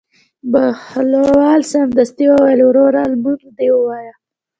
بهلول سمدستي وویل: وروره لمونځ دې ووایه.